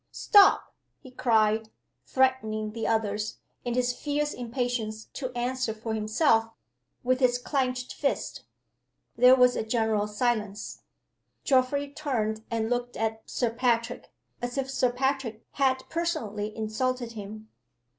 "Stop!" he cried, threatening the others, in his fierce impatience to answer for himself, with his clenched fist. There was a general silence. Geoffrey turned and looked at Sir Patrick, as if Sir Patrick had personally insulted him.